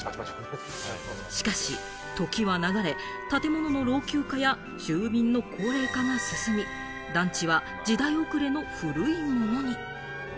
しかし時は流れ、建物の老朽化や住民の高齢化が進み、団地は時代遅れの古いものに。